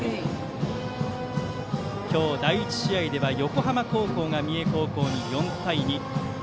今日、第１試合では横浜高校が三重高校に４対２。